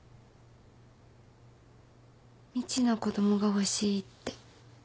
みちの子供が欲しいって。